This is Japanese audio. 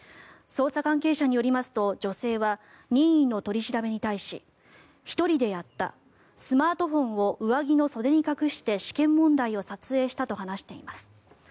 捜査関係者によりますと女性は任意の取り調べに対し１人でやったスマートフォンを上着の袖に隠して試験問題を撮影したと話しています。